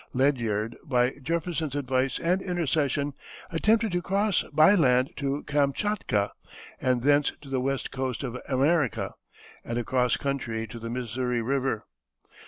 Ledyard, by Jefferson's advice and intercession, attempted to cross by land to Kamschatka, and thence to the west coast of America, and across country to the Missouri River.